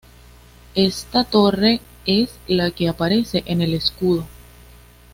Ésta torre es la que aparece en el escudo.